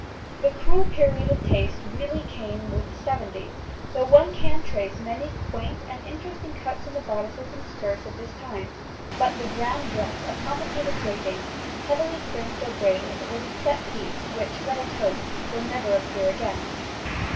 The cruel period of taste really came with the seventies, though one can trace many quaint and interesting cuts in the bodices and skirts of this time; but the "grand dress" of complicated drapings, heavily fringed or braided, was a "set piece" which, let us hope, will never appear again.